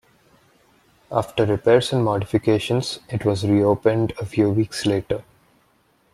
After repairs and modifications, it was reopened a few weeks later.